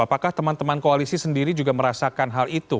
apakah teman teman koalisi sendiri juga merasakan hal itu